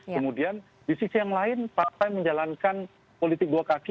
kemudian di sisi yang lain partai menjalankan politik dua kaki